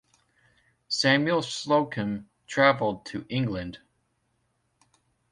Samuel Slocum traveled to England.